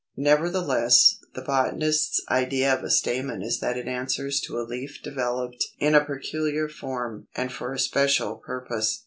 Nevertheless, the botanist's idea of a stamen is that it answers to a leaf developed in a peculiar form and for a special purpose.